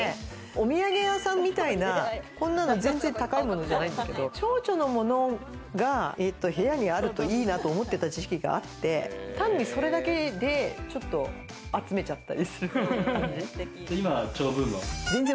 お土産屋さんみたいな全然高いものじゃないんですけど、ちょうちょのものが部屋にあるといいなと思ってた時期があって、単にそれだけで集めちゃった。